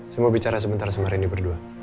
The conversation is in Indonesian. saya mau bicara sebentar sama rini berdua